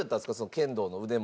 剣道の腕前。